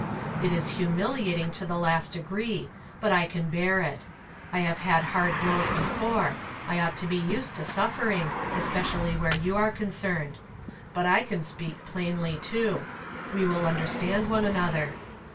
It is humiliating to the last degree, but I can bear it. I have had hard blows before ; I ought to be used to suffer ing, especially where you are concerned. But I can speak plainly, too. We will undei stand one another.